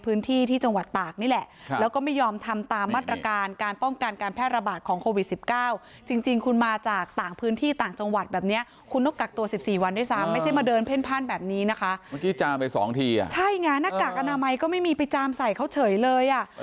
แบบนี้นะคะเมื่อกี้จามไปสองทีอ่ะใช่ไงนักกากอนามัยก็ไม่มีไปจามใส่เขาเฉยเลยอ่ะ